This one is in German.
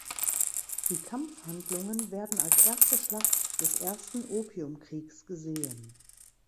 Die Kampfhandlungen werden als erste Schlacht des Ersten Opiumkriegs gesehen.